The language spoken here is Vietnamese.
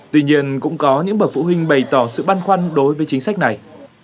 tuy nhiên cũng có những bậc phụ huynh bày tỏ sự băn khoăn đối với chính sách này